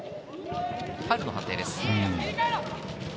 ファウルの判定です。